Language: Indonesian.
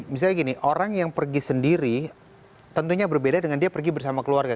misalnya gini orang yang pergi sendiri tentunya berbeda dengan dia pergi bersama keluarga